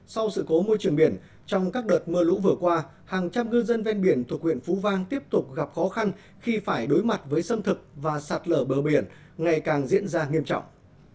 sau sự cố môi trường biển trong các đợt mưa lũ vừa qua hàng trăm ngư dân ven biển thuộc huyện phú vang tiếp tục gặp khó khăn khi phải đối mặt với xâm thực và sạt lở bờ biển ngày càng diễn ra nghiêm trọng